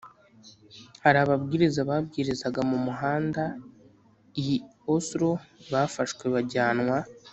hari ababwiriza babwirizaga mu muhanda i Oslo bafashwe bajyanwa